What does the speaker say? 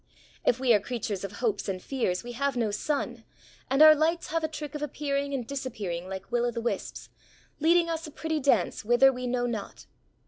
If we are creatures of hopes and fears we have no sun, and our lights have a trick of appearing and disappearing like will o' the wisps, leading us a pretty dance whither we know not.